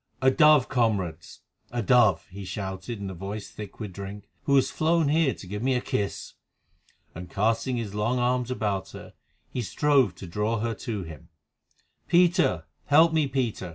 "A dove, comrades!—a dove!" he shouted in a voice thick with drink, "who has flown here to give me a kiss." And, casting his long arms about her, he strove to draw her to him. "A dove, comrades!—A dove!" "Peter! Help me, Peter!"